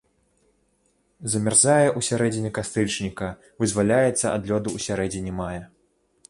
Замярзае ў сярэдзіне кастрычніка, вызваляецца ад лёду ў сярэдзіне мая.